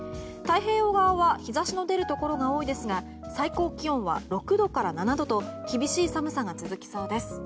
太平洋側は日差しが出るところが多いですが最高気温は６度から７度と厳しい寒さが続きそうです。